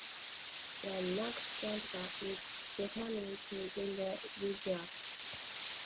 The Nutcracker is determined to end the Vizier, despite the rats' barricade.